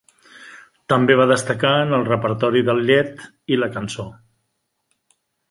També va destacar en el repertori del lied i la cançó.